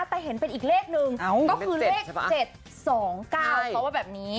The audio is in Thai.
แต่เห็นเป็นอีกเลขหนึ่งก็คือเลขเจ็ดสองเก้าเขาบอกแบบนี้